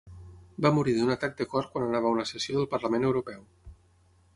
Va morir d'un atac de cor quan anava a una sessió del Parlament Europeu.